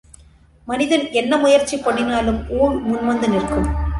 மனிதன் என்ன முயற்சி பண்ணினாலும் ஊழ் முன்வந்து நிற்கும்.